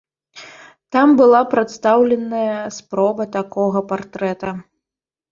Там была прадстаўленая спроба такога партрэта.